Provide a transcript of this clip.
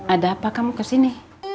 ada apa kamu kesini